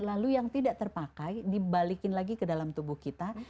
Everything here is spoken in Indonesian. lalu yang tidak terpakai dibalikin lagi ke dalam tubuh kita